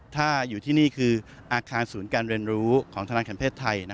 ถ้าอยู่ที่นี่คืออาคารศูนย์การเรียนรู้ของธนาคารเพศไทย